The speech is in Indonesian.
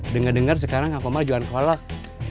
dengar dengar sekarang kang komar jualan kolok